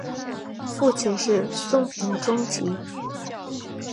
父亲是松平忠吉。